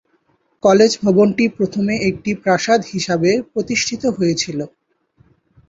কলেজটির ভবনটি প্রথমে একটি প্রাসাদ হিসাবে প্রতিষ্ঠিত হয়েছিল।